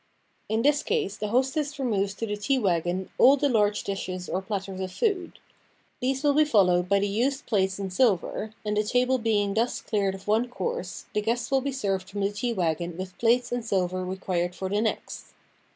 In this case the hostess removes to the tea wagon all the large dishes or platters of food. These will be fol lowed by the used plates and silver, and the table being thus cleared of one course, the guests will be served from the tea wagon with plates and silver required for the next.